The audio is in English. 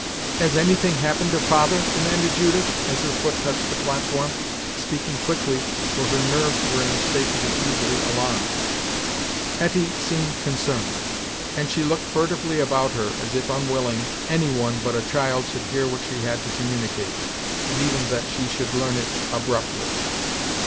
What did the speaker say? "Has any thing happened to father?" demanded Judith, as her foot touched the platform; speaking quickly, for her nerves were in a state to be easily alarmed. Hetty seemed concerned, and she looked furtively about her as if unwilling any one but a child should hear what she had to communicate, and even that she should learn it abruptly.